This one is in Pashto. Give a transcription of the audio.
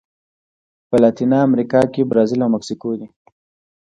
په لاتینه امریکا کې برازیل او مکسیکو دي.